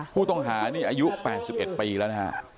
ผู้ต้องหานี่อายุ๘๑ปีแล้วนะฮะ